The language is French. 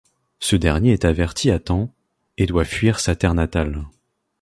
Ce dernier est averti à temps, et doit fuir sa terre natale.